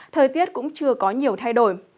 thời tiết cũng chưa có nhiều thay đổi